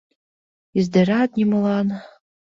Издерат нимолан.